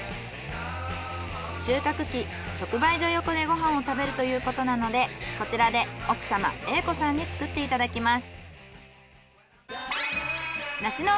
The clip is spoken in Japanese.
収穫期直売所横でご飯を食べるということなのでこちらで奥様栄子さんに作っていただきます。